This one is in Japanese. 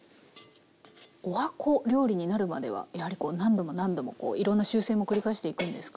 十八番料理になるまではやはりこう何度も何度もこういろんな修正も繰り返していくんですか？